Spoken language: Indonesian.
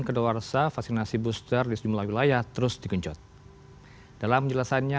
kedalawarsa vaksinasi booster disimulasi layak terus dikuncut dalam penjelasannya